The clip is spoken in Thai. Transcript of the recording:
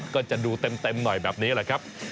ก็จะดูเต็มหน่อยแบบนี้แหละครับ